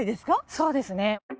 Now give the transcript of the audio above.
そうですね。